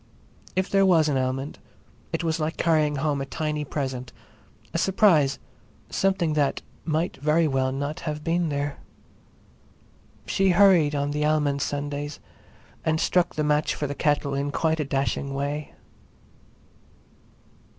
If there was an almond it was like carrying home a tiny present—a surprise—something that might very well not have been there. She hurried on the almond Sundays and struck the match for the kettle in quite a dashing way.